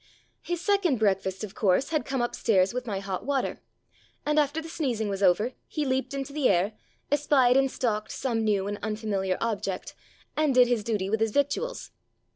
His second breakfast, of course, had come upstairs with my hot water, and after the sneezing was over he leaped into the air, espied and stalked some new and unfamiliar object, and did his duty with his victuals.